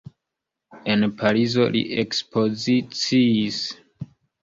En Parizo li ekspoziciis.